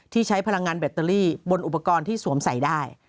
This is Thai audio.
ใช้พลังงานแบตเตอรี่บนอุปกรณ์ที่สวมใส่ได้